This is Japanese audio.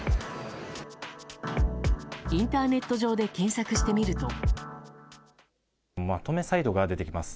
インターネット上で検索してみると。